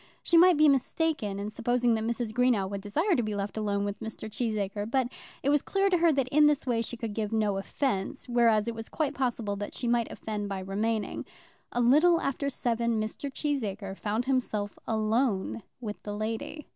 She might be mistaken in supposing that Mrs. Greenow would desire to be left alone with Mr. Cheesacre; but it was clear to her that in this way she could give no offence, whereas it was quite possible that she might offend by remaining. A little after seven Mr. Cheesacre found himself alone with the lady.